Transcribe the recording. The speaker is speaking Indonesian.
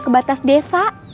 ke batas desa